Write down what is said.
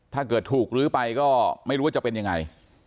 ถ้าเกิดถูกลื้อไปก็ไม่รู้ว่าจะเป็นยังไง